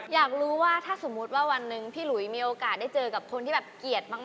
อยากรู้ว่าถ้าสมมุติว่าวันหนึ่งพี่หลุยมีโอกาสได้เจอกับคนที่แบบเกลียดมาก